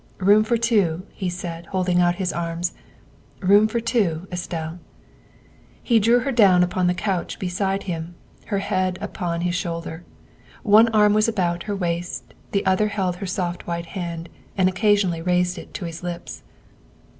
" Room for two," he said, holding out his arms, " room for two, Estelle." He drew her down upon the couch beside him, her head upon his shoulder. One arm was about her waist, the other held her soft white hand, and occasionally raised it to his lips.